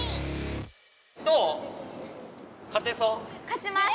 かちます！